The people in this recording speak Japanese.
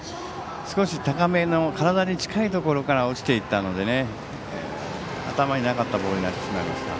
少し高めの体に近いところから落ちていったので頭になかったボールになってしまいました。